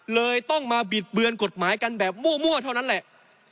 เลยต้องมาบิดเบือนกฎหมายกันแบบมั่วเท่านั้นแหละ